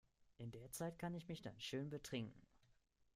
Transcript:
In der Zeit kann ich mich dann schön betrinken.